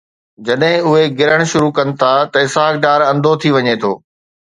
جڏهن اهي گرڻ شروع ڪن ٿا ته اسحاق انڌو ٿي وڃي ٿو.